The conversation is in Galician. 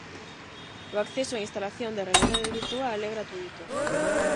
O acceso á instalación de realidade virtual é gratuíto.